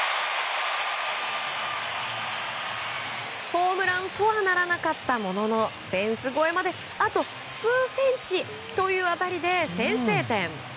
ホームランとはならなかったもののフェンス越えまであと数センチという当たりで先制点。